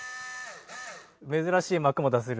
珍しい幕も出せる。